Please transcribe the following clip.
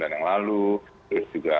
dua ribu sembilan yang lalu terus juga